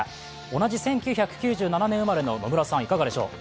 同じ１９９７年生まれの野村さん、いかがでしょう？